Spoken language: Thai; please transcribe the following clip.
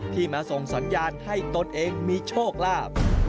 มาส่งสัญญาณให้ตนเองมีโชคลาภ